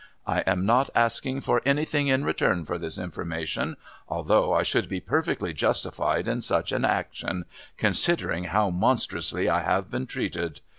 I am not asking for anything in return for this information, although I should be perfectly justified in such an action, considering how monstrously I have been treated.